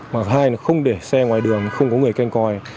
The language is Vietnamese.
mà hai là không để xe ngoài đường không có người canh còi